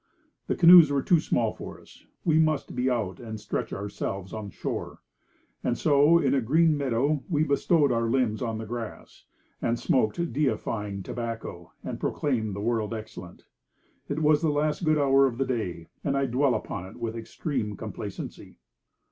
The canoes were too small for us; we must be out and stretch ourselves on shore. And so in a green meadow we bestowed our limbs on the grass, and smoked deifying tobacco and proclaimed the world excellent. It was the last good hour of the day, and I dwell upon it with extreme complacency.